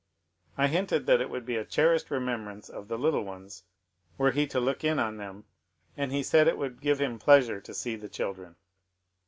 I hinted that it would be a cherished remembrance of the little ones were he to look in on them, and he said it would give him pleasure to see the children.